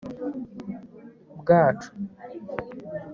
bwacu